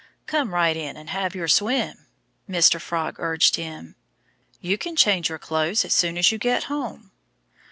"Come right in and have your swim!" Mr. Frog urged him. "You can change your clothes as soon as you get home."